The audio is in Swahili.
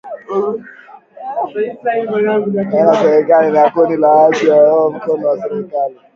baina ya serikali na kundi la waasi walioungwa mkono na Marekani